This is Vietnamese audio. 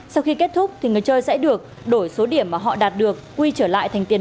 sau khi kết thúc thì người chơi sẽ được đổi số điểm mà họ đạt được quy trở lại thành tiền